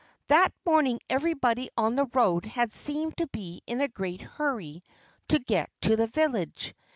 That morning everybody on the road had seemed to be in a great hurry to get to the village.